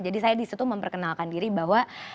jadi saya di situ memperkenalkan diri bahwa